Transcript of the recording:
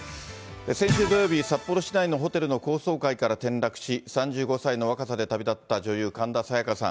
先週土曜日、札幌市内のホテルの高層階から転落し、３５歳の若さで旅立った女優、神田沙也加さん。